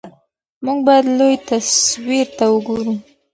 موږ باید لوی تصویر ته وګورو.